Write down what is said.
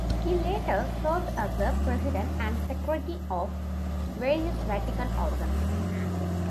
He later served as president and Secretary of various Vatican organs.